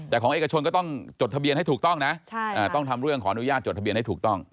แต่ของเอกชนก็ต้องจดทะเบียนให้ถูกต้องนะต้องทำเรื่องขออนุญาตจดทะเบียนให้ถูกต้อง